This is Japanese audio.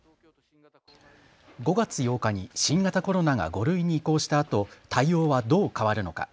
５月８日に新型コロナが５類に移行したあと対応はどう変わるのか。